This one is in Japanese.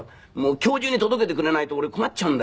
「今日中に届けてくれないと俺困っちゃうんだよ」